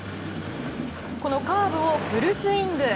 カーブをフルスイング。